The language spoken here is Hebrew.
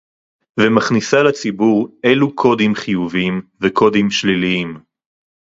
ומכניסה לציבור אילו קודים חיוביים וקודים שליליים